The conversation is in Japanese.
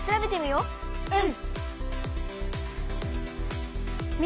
うん。